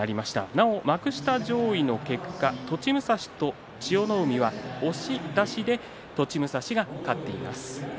なお幕下上位の結果栃武蔵と千代の海は押し出しで栃武蔵が勝っています。